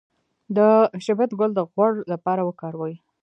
د شبت ګل د غوړ لپاره وکاروئ